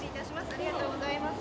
ありがとうございます。